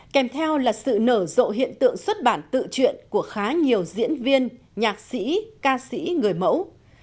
kèm theo là sự nở rộ hiện tượng xuất bản tự truyện của khá nhiều diễn viên nhạc sĩ ca sĩ người mẫu